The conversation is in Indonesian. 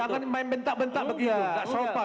jangan main bentak bentak begitu